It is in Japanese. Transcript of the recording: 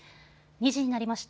２時になりました。